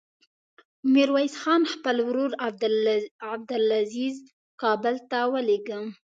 ميرويس خان خپل ورور عبدلعزير کابل ته ولېږه.